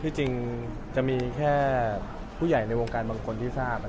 ที่จริงจะมีแค่ผู้ใหญ่ในวงการบางคนที่ทราบ